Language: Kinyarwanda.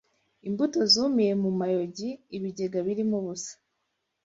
Imbuto zumiye mu mayogi ibigega birimo ubusa